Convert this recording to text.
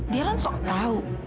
dia kan sok tau